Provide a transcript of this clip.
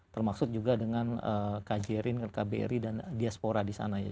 termasuk juga dengan kjri kbri dan diaspora di sana ya